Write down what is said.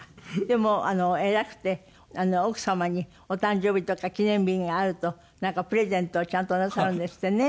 でも偉くて奥様にお誕生日とか記念日があるとなんかプレゼントをちゃんとなさるんですってね。